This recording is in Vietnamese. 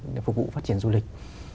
để phục vụ phát triển du lịch